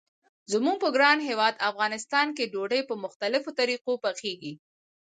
زموږ په ګران هیواد افغانستان کې ډوډۍ په مختلفو طریقو پخیږي.